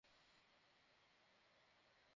তাহলে এই পড়াশোনা করে কি লাভ?